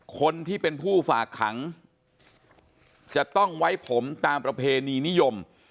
คนที่เป็นผู้ฝากขังจะต้องไว้ผมตามประเพณีนิยม